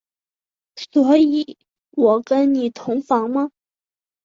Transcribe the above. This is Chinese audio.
所以我跟你同房吗？